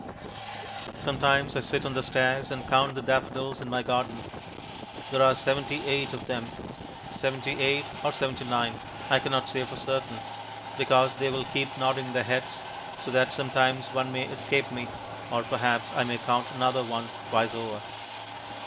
Sometimes I sit on the stairs and count the daffodils in my garden. There are seventy eight of them; seventy eight or seventy nine I cannot say for certain, because they will keep nodding their heads, so that sometimes one may escape me, or perhaps I may count another one twice over.